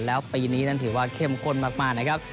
แล้วปีนี้นั้นถือว่าเข้มข้นมากนะครับ